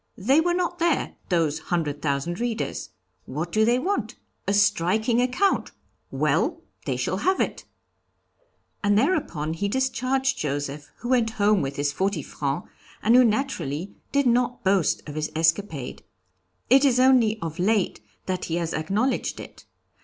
They were not there, those hundred thousand readers. What do they want? A striking account well! they shall have it!' And thereupon he discharged Joseph, who went home with his forty francs, and who naturally did not boast of his escapade. It is only of late that he has acknowledged it.